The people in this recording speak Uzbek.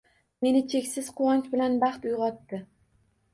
Meni cheksiz quvonch bilan baxt uyg’otdi.